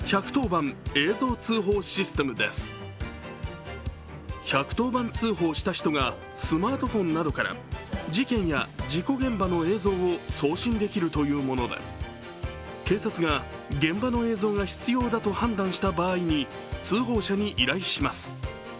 １１０番通報した人がスマートフォンなどから事件や事故現場の映像を送信できるというものて警察が現場の映像が必要だと判断した場合に通報者に依頼します。